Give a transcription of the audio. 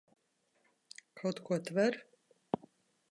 Kaut ko tver?